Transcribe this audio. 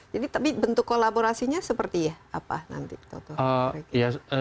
jadi tapi bentuk kolaborasinya seperti apa nanti toto